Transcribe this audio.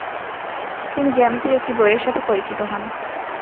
তিনি জ্যামিতির একটি বইয়ের সাথে পরিচিত হন।